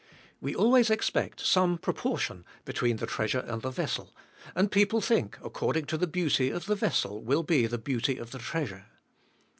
We always expect some proportion between the treasure and the vessel, and people think, ac cording to the beauty of the vessel will be the beauty of the treasure.